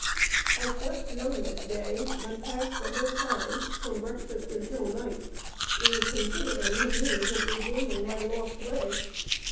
I slept none this day, but passed the whole time, from breakfast until night, in considering the means of regaining my lost way.